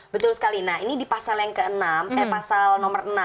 betul sekali nah ini di pasal yang ke enam eh pasal nomor enam